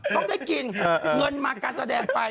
ต้องได้กินเงินมาการแสดงไป